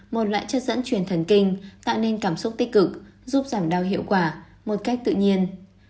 một loại chất dẫn truyền thần kinh tạo nên cảm xúc tích cực giúp giảm đau hiệu quả một cách tự nhiên